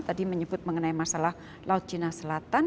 tadi menyebut mengenai masalah laut cina selatan